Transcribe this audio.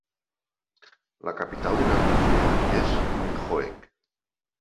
La capital de Namíbia és Windhoek.